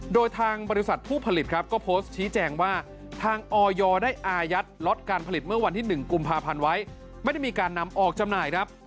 โดยทางบริษัทผู้ผลิตครับก็โพสต์ชี้แจงว่าทางออยได้อายัดล็อตการผลิตเมื่อวันที่๑กุมภาพันธ์ไว้ไม่ได้มีการนำออกจำหน่ายครับ